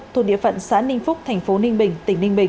thuộc địa phận xã ninh phúc thành phố ninh bình tỉnh ninh bình